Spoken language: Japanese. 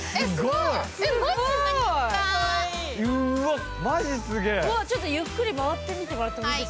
わあちょっとゆっくり回ってみてもらってもいいですか？